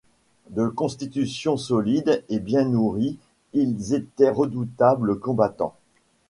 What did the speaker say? De constitution solide et bien nourris ils étaient redoutables combattants.